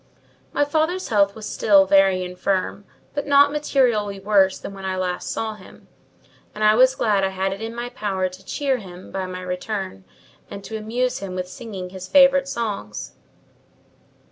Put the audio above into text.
My father's health was still very infirm, but not materially worse than when I last saw him; and I was glad I had it in my power to cheer him by my return, and to amuse him with singing his favourite songs.